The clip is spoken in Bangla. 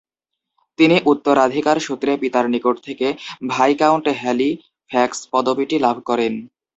তিনি উত্তোরাধিকার সূত্রে পিতার নিকট থেকে ভাইকাউন্ট হ্যালিফ্যাক্স পদবীটি লাভ করেন।